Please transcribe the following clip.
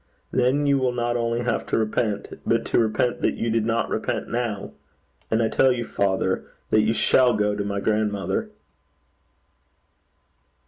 Then, you will not only have to repent, but to repent that you did not repent now. And I tell you, father, that you shall go to my grandmother.'